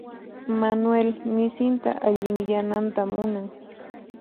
Manuel misinta allinyananta munan.